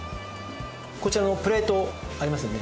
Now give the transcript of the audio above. こちらのプレートありますよね。